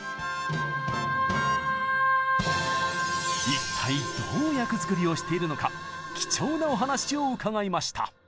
一体どう役作りをしているのか貴重なお話を伺いました！